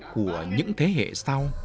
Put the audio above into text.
của những thế hệ sau